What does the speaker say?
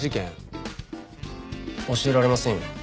教えられませんよ。